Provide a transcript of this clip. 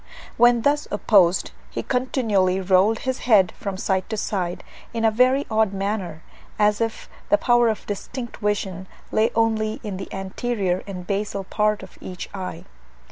When thus opposed he continually rolled his head from side to side, in a very odd manner, as if the power of distinct vision lay only in the anterior and basal part of each eye.